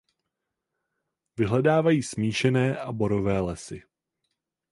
Vyhledávají smíšené a borové lesy.